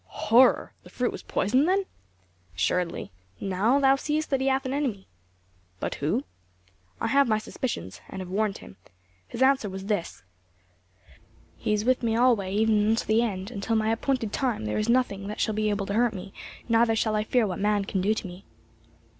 "Horror! the fruit was poisoned then?" "Assuredly. Now thou seest that he hath an enemy." "But who?" "I have my suspicions, and have warned him. His answer was this, 'He is with me alway even unto the end; until my appointed time there is nothing that shall be able to hurt me; neither shall I fear what man can do to me.